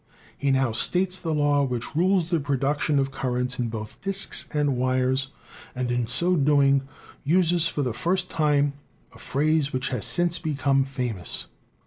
He now states the law which rules the produc tion of currents in both disks and wires, and in so doing uses for the first time a phrase which has since become famous.